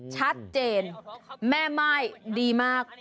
ชัดเจนแม่ม่ายดีมาก